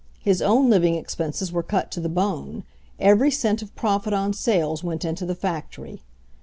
His own living expenses were cut to the bone — every cent of profit on sales went into the factory.